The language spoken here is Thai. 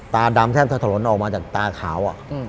ตาดำแทบจะถลนออกมาจากตาขาว